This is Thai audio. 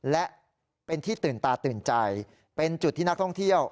และเป็นที่ตื่นตาตื่นใจเป็นจุดที่นักท่องเที่ยว